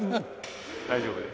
大丈夫です。